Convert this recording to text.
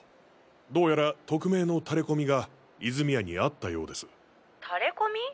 どうやら匿名のタレコミが泉谷にあったようです。